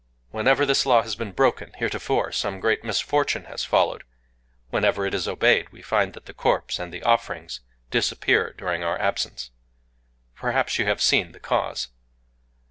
Whenever this law has been broken, heretofore, some great misfortune has followed. Whenever it is obeyed, we find that the corpse and the offerings disappear during our absence. Perhaps you have seen the cause."